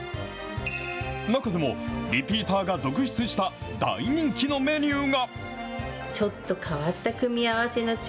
中でも、リピーターが続出した大人気のメニューが。